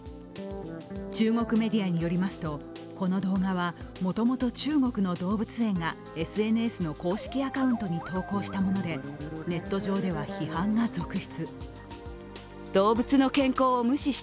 中国メディアによりますと、この動画はもともと中国の動物園がＳＮＳの公式アカウントに投稿したものでネット上では批判が続出。